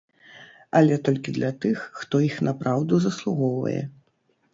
Але толькі для тых, хто іх напраўду заслугоўвае.